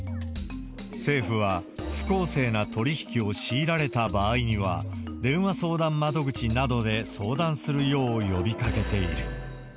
政府は、不公正な取り引きを強いられた場合には、電話相談窓口などで相談するよう呼びかけている。